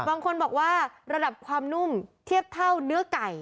บางคนบอกว่าระดับความนุ่มเทียบเท่าเนื้อไก่